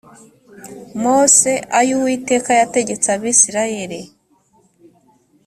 mose ayo uwiteka yategetse abisirayeli